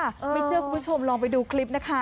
ไม่เชื่อคุณผู้ชมลองไปดูคลิปนะคะ